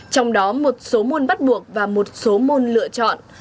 trong đó một số môn bắt buộc và một số môn lựa chọn